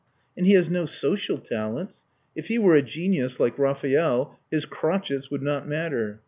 And he has no social talents. If he were a genius, like Raphael, his crotchets would not matter.